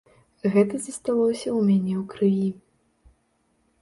Гэта засталося ў мяне ў крыві.